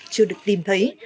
chưa được tìm thấy